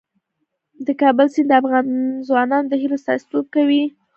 د کابل سیند د افغان ځوانانو د هیلو استازیتوب کوي.